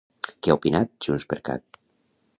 Què ha opinat JxCat?